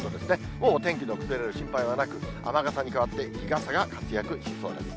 ほぼ天気の崩れる心配はなく、雨傘に代わって、日傘が活躍しそうです。